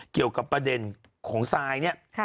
เกี่ยวกับประเด็นของซายเนี่ย